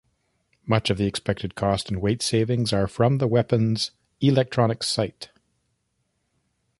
Much of the expected cost and weight savings are from the weapon's electronic sight.